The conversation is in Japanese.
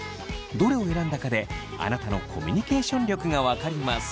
どれを選んだかであなたのコミュニケーション力が分かります。